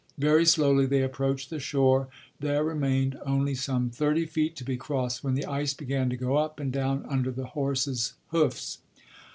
Very slowly they approached the shore; there remained only some thirty feet to be crossed when the ice began to go up and down under the horse's hoofs.